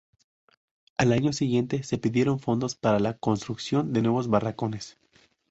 Al año siguiente se pidieron fondos para la construcción de nuevos barracones.